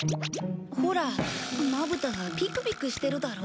ほらまぶたがピクピクしてるだろ？